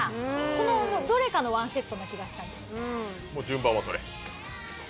このどれかのワンセットな気がしたんです。